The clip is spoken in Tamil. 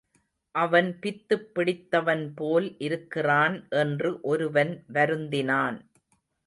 அவன் பித்துப் பிடித்தவன்போல் இருக்கிறான் என்று ஒருவன் வருந்தினான்.